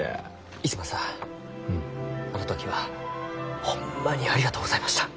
逸馬さんあの時はホンマにありがとうございました。